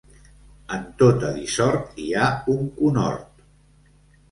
En tota dissort hi ha un conhort.